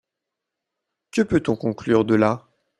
Que peut-on conclure de là ?